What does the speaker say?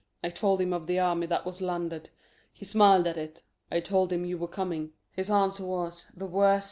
I told him of the army that was landed: He smil'd at it. I told him you were coming: His answer was, 'The worse.'